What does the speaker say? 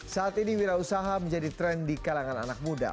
saat ini wira usaha menjadi tren di kalangan anak muda